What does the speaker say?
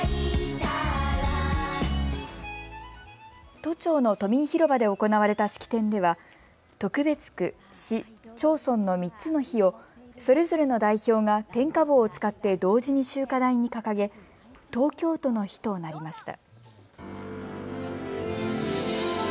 都庁の都民広場で行われた式典では特別区、市、町村の３つの火をそれぞれの代表が点火棒を使って同時に集火台に掲げ東京都の火となりました。